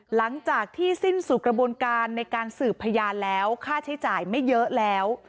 หลังจากที่สิ้นสู่กระบวนการในการสืบพยานแล้วค่าใช้จ่ายไม่เยอะแล้ว